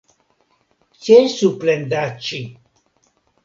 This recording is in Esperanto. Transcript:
Ĉesu plendaĉi.